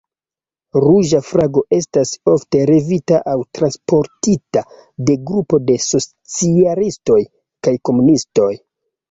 Ruĝa flago estas ofte levita aŭ transportita de grupo de socialistoj kaj komunistoj.